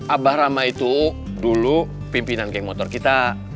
abah rama itu dulu pimpinan geng motor kita